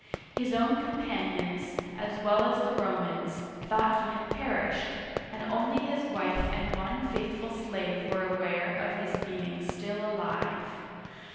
His own companions, as well as the Romans, thought he had perished, and only his wife and one faithful slave were aware of his being still alive.